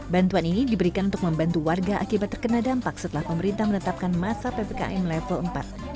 bantuan ini diberikan untuk membantu warga akibat terkena dampak di masa ppkm